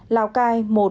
một lào cai